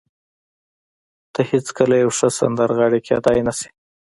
ته هېڅکله یوه ښه سندرغاړې کېدای نشې